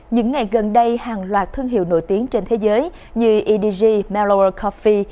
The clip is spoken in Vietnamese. những ngày gần đây hàng loạt thương hiệu nổi tiếng trên thế giới như edg melor coffee